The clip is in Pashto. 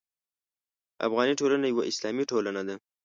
افغاني ټولنه یوه اسلامي ټولنه ده.